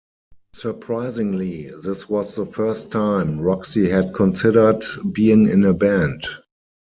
Surprisingly, this was the first time Roxy had considered being in a band.